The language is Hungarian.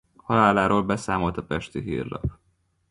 Haláláról beszámolt a Pesti Hírlap.